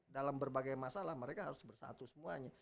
dalam berbagai masalah mereka harus bersatu semuanya